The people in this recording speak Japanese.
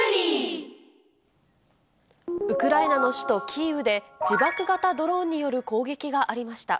ウクライナの首都キーウで、自爆型ドローンによる攻撃がありました。